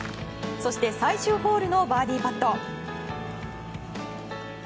そして最終ホールのバーディーパット。